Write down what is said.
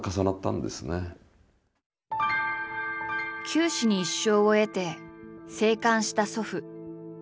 九死に一生を得て生還した祖父。